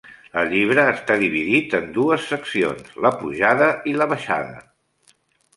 El llibre està dividit en dues seccions: la pujada i la baixada.